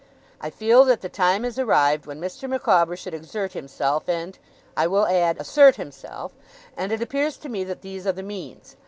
I feel that the time is arrived when Mr. Micawber should exert himself and I will add assert himself, and it appears to me that these are the means.